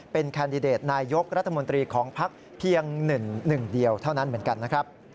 เป็นแคนดิเดตนายกรัฐมนตรีของพักเพียงหนึ่งเดียวเท่านั้นเหมือนกันนะครับ